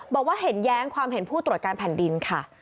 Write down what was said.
บอกว่าเห็นแย้งความเห็นผู้ตรวจการแผ่นดินค่ะ